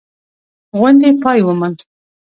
غونډې پای وموند.